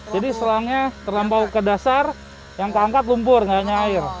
jadi selangnya terlampau ke dasar yang terangkat lumpur nggak nyair